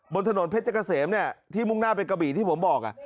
บนถนนเพชรเกษมที่มุ่งหน้าไปกะบี่ที่ผมบอก